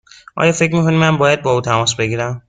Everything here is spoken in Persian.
آیا فکر می کنی من باید با او تماس بگیرم؟